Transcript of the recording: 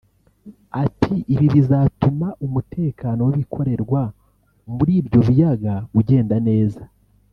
Ati “Ibi bizatuma umutekano w’ibikorerwa muri ibyo biyaga ugenda neza